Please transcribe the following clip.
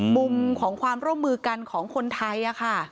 มุมของความร่วมคล้ำร่วมมือกันของคนไทย